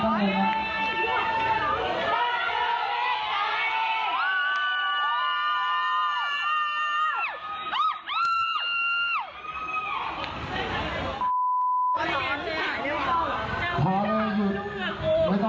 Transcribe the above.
ถ้าให้เดินเข้าไปก่อนฝ่านพี่พอแล้ว